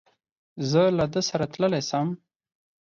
زه له ده سره تللای سم؟